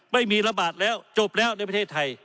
ไม่มีระบาดแล้วจบแล้วในประเทศไทย